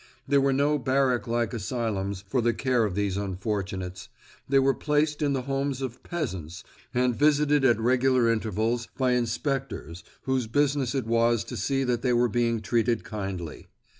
There were no barrack like asylums for the care of these unfortunates. They were placed in the homes of peasants and visited at regular intervals by inspectors whose business it was to see that they were being treated kindly.